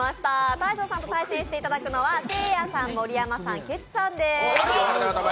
大昇さんと対戦していくのはせいやさん、盛山さん、ケツさんです。